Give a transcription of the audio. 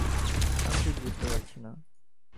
আমি ঠিক বুঝতে পারছি না।